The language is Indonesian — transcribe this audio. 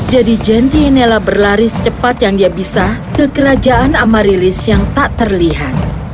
jadi gentienela berlari secepat yang dia bisa ke kerajaan amarilis yang tak terlihat